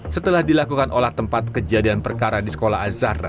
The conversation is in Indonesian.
setelah dilakukan olah tempat kejadian perkara di sekolah azhar